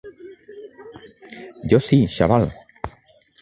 Jo sí, xaval.